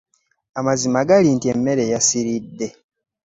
.Amazima galinti emere yasiridde.